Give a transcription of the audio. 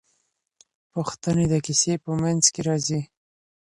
پوښتنې د کیسې په منځ کې راځي.